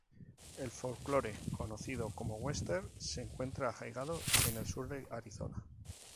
El folklore conocido como "western" se encuentra arraigado en el sur de Arizona.